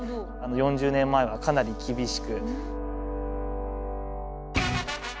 ４０年前はかなり厳しく。